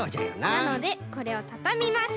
なのでこれをたたみます。